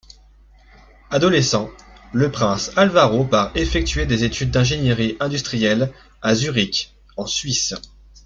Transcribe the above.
Adolescent, le prince Alvaro part effectuer des études d'ingénierie industrielle à Zurich, en Suisse.